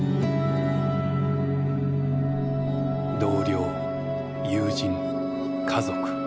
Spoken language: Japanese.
同僚友人家族。